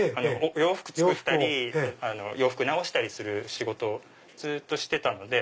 洋服作ったり洋服直したりする仕事をずっとしてたので。